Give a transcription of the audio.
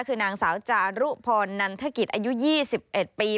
คือนางสาวจารุพรนันทกิจอายุ๒๑ปี